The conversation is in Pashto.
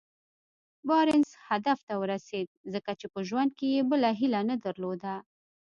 بارنس هدف ته ورسېد ځکه په ژوند کې يې بله هيله نه درلوده.